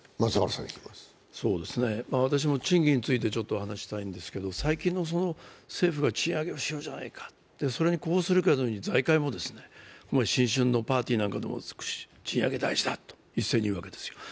私も賃金についてちょっとお話したいんですけど、最近の、政府が賃上げをしようじゃないかと、それに呼応するかのように財界も新春のパーティーなんかでも賃上げ大事だと一斉に言うわけですよ。